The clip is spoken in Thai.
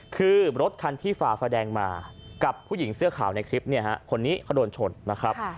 คือรถคันที่ฝ่าไฟแดงมากับผู้หญิงเสื้อขาวในคลิปเนี่ยฮะคนนี้เขาโดนชนนะครับ